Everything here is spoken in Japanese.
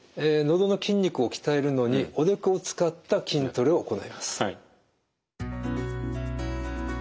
どの筋肉を鍛えるのにおでこを使った筋トレを行います。